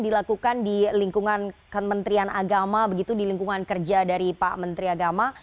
dilakukan di lingkungan kementerian agama begitu di lingkungan kerja dari pak menteri agama